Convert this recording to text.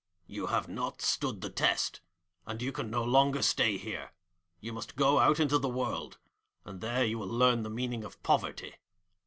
'You have not stood the test, and you can no longer stay here. You must go out into the world, and there you will learn the meaning of poverty.